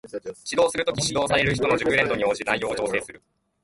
指導する時、指導される人の熟練度に応じて内容を調整する